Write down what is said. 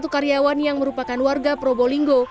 tiga puluh satu karyawan yang merupakan warga probolinggo